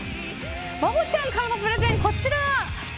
バボちゃんからのプレゼンこちら。